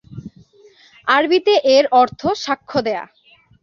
আরবিতে এর অর্থ "সাক্ষ্য দেয়া"।